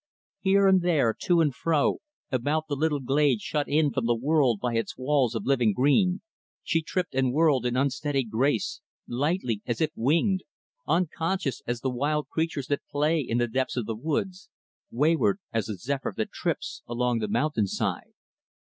Here and there, to and fro, about the little glade shut in from the world by its walls of living green, she tripped and whirled in unstudied grace lightly as if winged unconscious as the wild creatures that play in the depths of the woods wayward as the zephyr that trips along the mountainside.